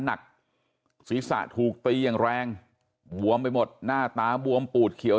หนักศีรษะถูกตีอย่างแรงบวมไปหมดหน้าตาบวมปูดเขียว